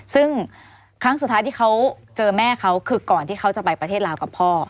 ซึ่งครั้งสุดท้ายที่เขาเจอแม่เขาคือก่อนที่เขาจะไปประเทศลาวกับพ่อ